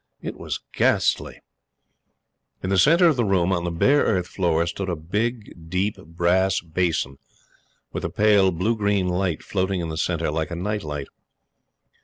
It was ghastly. In the centre of the room, on the bare earth floor, stood a big, deep, brass basin, with a pale blue green light floating in the centre like a night light.